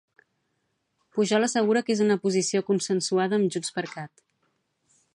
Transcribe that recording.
Pujol assegura que és una posició consensuada amb JxCat.